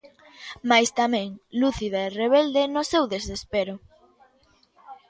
Mais tamén lúcida e rebelde no seu desespero.